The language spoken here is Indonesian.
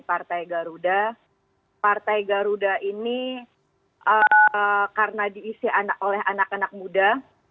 partai garuda partai garuda ini karena diisi oleh anak anak muda